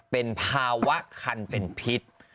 เป็นภาวะคันเป็นพิษ